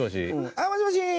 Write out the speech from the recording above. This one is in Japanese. あっもしもしー！